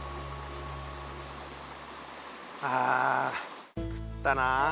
ああ食ったなあ。